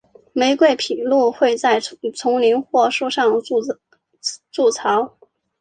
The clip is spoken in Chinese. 玫瑰琵鹭会在丛林或树上筑巢。